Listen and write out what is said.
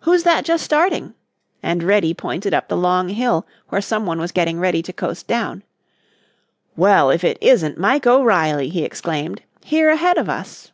"Who's that just starting?" and Reddy pointed up the long hill where some one was getting ready to coast down. "Well, if it isn't Mike O'Reilly!" he exclaimed, "here ahead of us."